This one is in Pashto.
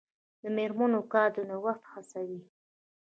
د میرمنو کار د نوښت هڅوي.